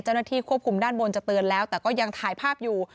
เจ้าหน้าที่ควบคุมด้านบนจะเตือนแล้วแต่ก็ยังถ่ายภาพอยู่